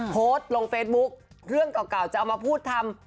โพสต์ลงเฟซบุ๊คเรื่องเก่าจะเอามาพูดทำ